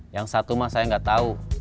yang satu mah saya gak tau